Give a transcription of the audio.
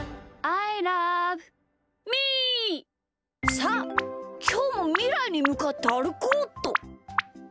さあきょうもみらいにむかってあるこうっと。